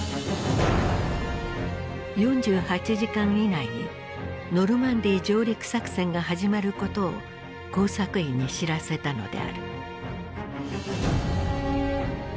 ４８時間以内にノルマンディー上陸作戦が始まることを工作員に知らせたのである。